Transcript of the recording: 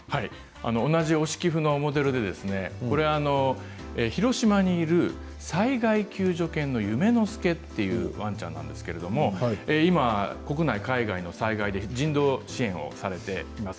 同じ推し寄付のモデルで広島にいる災害救助犬の夢之丞というワンちゃんなんですけれど今、国内、海外の災害で人道支援をされています。